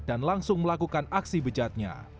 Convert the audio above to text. dan langsung melakukan aksi bejatnya